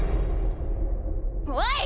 おい！